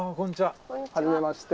はじめまして。